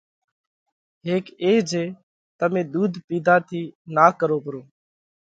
هيڪ اي جي تمي ۮُوڌ پِيڌا ٿِي نا ڪرو پرو